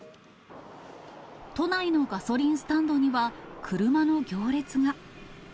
都内のガソリンスタンドには、車の行列が。